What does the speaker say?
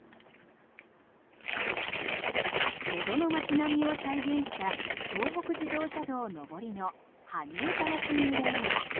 江戸の街並みを再現した東北自動車道上りの羽生ＰＡ。